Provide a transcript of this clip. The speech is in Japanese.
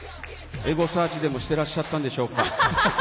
エゴサーチでもしていらっしゃったんでしょうか。